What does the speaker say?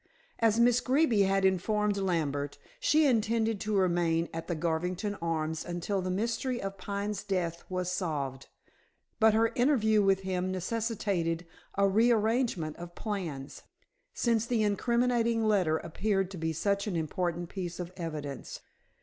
As Miss Greeby had informed Lambert, she intended to remain at the Garvington Arms until the mystery of Pine's death was solved. But her interview with him necessitated a rearrangement of plans, since the incriminating letter appeared to be such an important piece of evidence.